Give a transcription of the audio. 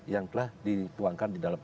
yang telah dituangkan di dalam